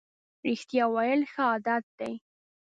رښتیا ویل ښه عادت دی.